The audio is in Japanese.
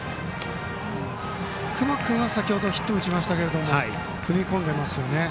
隈君は先程ヒットを打ちましたが踏み込んでいますね。